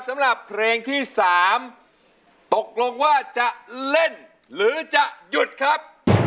สำหรับเพลงที่๓ตกลงว่าจะเล่นหรือจะหยุดครับ